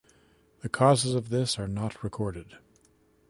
The causes of this are not recorded.